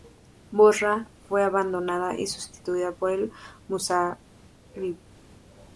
Bosra fue abandonada y sustituida por el-Muzayrib.